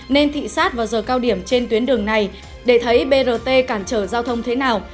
nên thị sát vào giờ cao điểm trên tuyến đường này để thấy brt cản trở giao thông thế nào